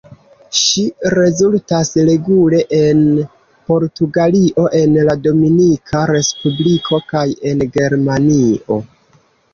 Ŝi rezultas regule en Portugalio, en la Dominika Respubliko kaj en Germanio.